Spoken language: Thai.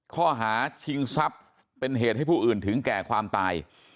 ข้อหาชิงทรัพย์เป็นเหตุให้ผู้อื่นถึงแก่ความตาย